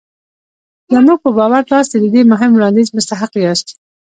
زموږ په باور تاسې د دې مهم وړانديز مستحق ياست.